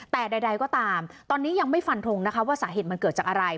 แต่ใดก็ตามตอนนี้ยังไม่ฟันทงนะคะว่าสาเหตุมันเกิดจากอะไร